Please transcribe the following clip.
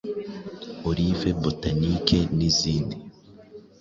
Olive, Botanique n’izindi